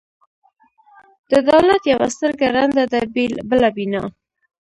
د دولت یوه سترګه ړنده ده، بله بینا.